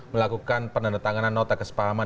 melakukan penandatanganan nota kesepahaman